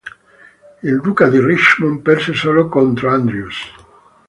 Il Duca di Richmond perse solo contro Andrews.